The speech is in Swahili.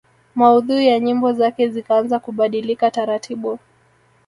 Maudhui ya nyimbo zake zikaanza kubadilika taratibu